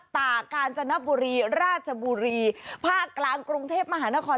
กาญจนบุรีราชบุรีภาคกลางกรุงเทพมหานคร